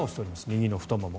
右の太もも。